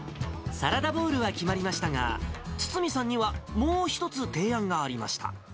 サラダボウルは決まりましたが、堤さんにはもう一つ提案がありました。